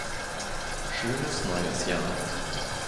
Schönes Neues Jahr.